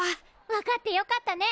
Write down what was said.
分かってよかったね。